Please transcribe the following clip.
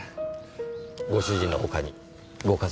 ご主人の他にご家族は？